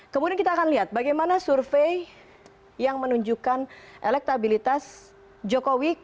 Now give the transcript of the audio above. kemudian kita akan lihat bagaimana survei yang menunjukkan elektabilitas jokowi